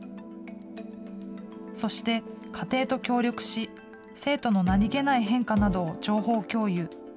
そして、家庭と協力し、生徒の何気ない変化などを情報共有。